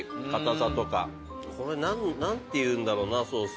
これ何ていうんだろうなソース。